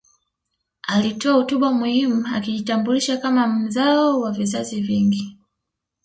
Alitoa hotuba muhimu akijitambulisha kama mzao wa vizazi vingi